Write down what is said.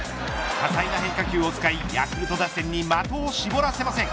多彩な変化球を使いヤクルト打線に的を絞らせません。